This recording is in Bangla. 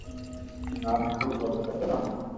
নাম সুবোধ, জাতিতে ব্রাহ্মণ।